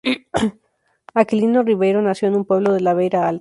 Aquilino Ribeiro nació en un pueblo de la Beira Alta.